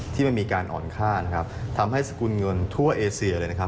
ที่มันมีการอ่อนค่านะครับทำให้สกุลเงินทั่วเอเซียเลยนะครับ